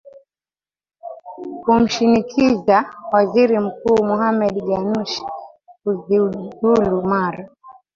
kumshinikiza waziri mkuu mohamed ganushi kujiuzulu mara